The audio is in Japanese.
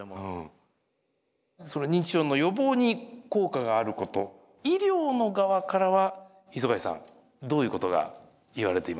その認知症の予防に効果があること医療の側からは磯貝さんどういうことがいわれていますか？